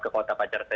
ke kota pacar saya